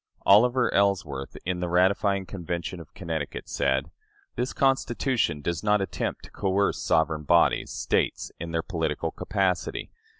" Oliver Ellsworth, in the ratifying Convention of Connecticut, said: "This Constitution does not attempt to coerce sovereign bodies, States, in their political capacity.